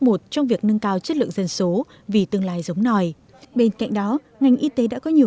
một trong việc nâng cao chất lượng dân số vì tương lai giống nòi bên cạnh đó ngành y tế đã có nhiều